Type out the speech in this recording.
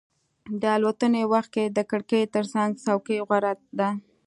د الوتنې وخت کې د کړکۍ ترڅنګ څوکۍ غوره ده.